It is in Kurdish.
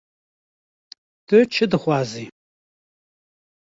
- Tu çi dixwazî?